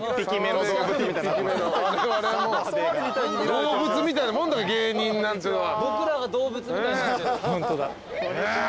動物みたいなもんだから芸人なんてのは。